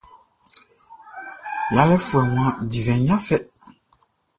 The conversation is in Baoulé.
Yalé foué wan divin ya fê.